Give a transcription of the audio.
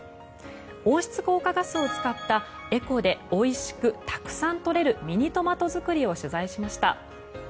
温室効果ガスを使ったエコで、おいしくたくさん採れるミニトマト作りを取材しました。